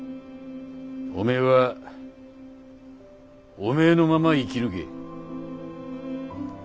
おめえはおめえのまま生き抜け。